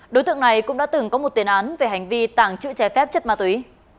đối tượng này cũng đã từng có một tiền án về hành vi tàng trữ trái phép chất ma túy